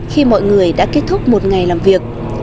khi mọi người đã kết thúc một ngày làm việc